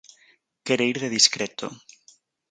Quere ir de discreto.